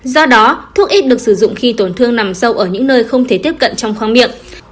do đó thuốc ít được sử dụng khi tổn thương nằm sâu ở những nơi không thể tiếp cận trong khoang miệng